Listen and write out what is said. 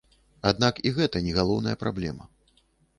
Аднак і гэта не галоўная праблема.